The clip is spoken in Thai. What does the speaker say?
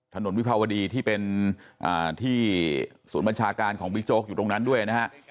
วิภาวดีที่เป็นที่ศูนย์บัญชาการของบิ๊กโจ๊กอยู่ตรงนั้นด้วยนะฮะ